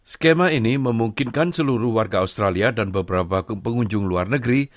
skema ini memungkinkan seluruh warga australia dan beberapa pengunjung luar negeri